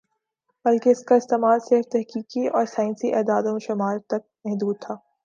بلکہ اس کا استعمال صرف تحقیقی اور سائنسی اعداد و شمار تک محدود تھا